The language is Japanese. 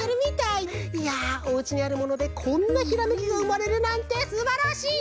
いやおうちにあるものでこんなひらめきがうまれるなんてすばらしい！